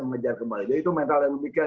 mengejar kembali jadi itu mental yang memikirkan